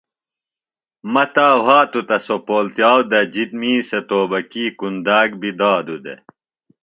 مہ تا وھاتوۡ تہ، سوۡ پولتِیاؤ دجیۡ، می سےۡ توبکی کُنداک بیۡ دادوۡ دےۡ